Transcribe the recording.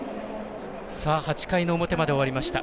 ８回の表まで終わりました。